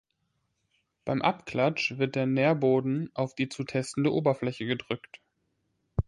Beim Abklatsch wird der Nährboden auf die zu testende Oberfläche gedrückt.